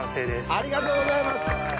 ありがとうございます！